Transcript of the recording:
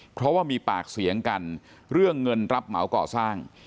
เพราะว่ามีปากเสียงกันเรื่องเงินรับเหมาก่อสร้าง